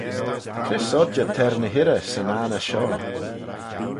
Cre sodjey t'er ny hirrey 'syn anney shoh?